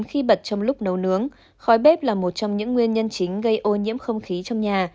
khói bếp là một trong những nguyên nhân chính gây ô nhiễm không khí trong nhà